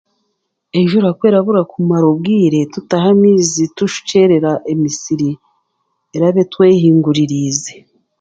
Enjuura kwerabura kumara obwiire, tutaha amaizi, tushukyeerera emisiri eraba etw'ehunguririize.